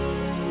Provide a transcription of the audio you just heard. jangan lupa pak